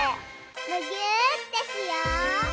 むぎゅーってしよう！